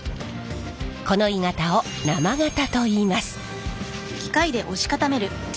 この鋳型を生型といいます。